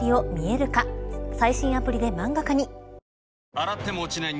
洗っても落ちない